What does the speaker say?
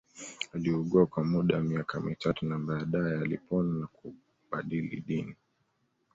Aliugua kwa muda wa miaka mitatu na baadae alipona na kubadili dini